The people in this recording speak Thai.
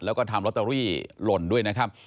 แล้วก็ทำลอตเตอรี่หล่นด้วยนะครับ